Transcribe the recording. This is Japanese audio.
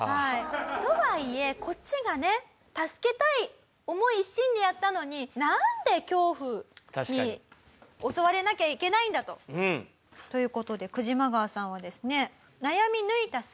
とはいえこっちがね助けたい思い一心でやったのになんで恐怖に襲われなきゃいけないんだと。という事でクジマガワさんはですね悩み抜いた末。